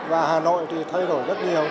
và hà nội thì thay đổi rất nhiều